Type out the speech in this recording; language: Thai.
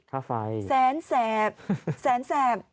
ค่าไฟแสนแสบแสนแสบ